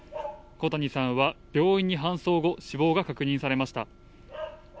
小谷さんは病院に搬送後、死亡が確認されました。